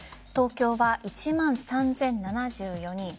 東京は１万３０７４人